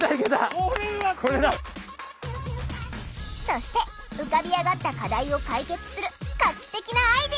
そして浮かび上がった課題を解決する画期的なアイデアを出し合った！